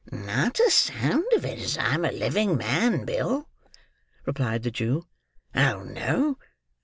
"Not a sound of it, as I'm a living man, Bill," replied the Jew. "Oh no!